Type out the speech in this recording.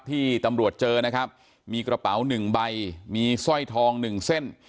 ที่ตำรวจเจอนะครับมีกระเป๋าหนึ่งใบมีสร้อยทอง๑เส้น